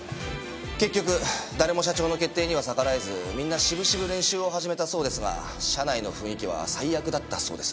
結局誰も社長の決定には逆らえずみんなしぶしぶ練習を始めたそうですが社内の雰囲気は最悪だったそうです。